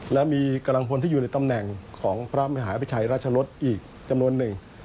และมีกำลังพลที่อยู่ในตำแหน่งของพระมหาพิชัยราชรสอีกจำนวนหนึ่ง